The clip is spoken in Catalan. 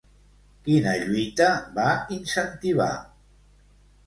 Quina lluita va incentivar?